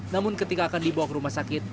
namun ketika akan dibawa ke rumah sakit